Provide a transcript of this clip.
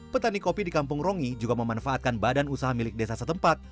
petani kopi di kampung rongi juga memanfaatkan badan usaha milik desa setempat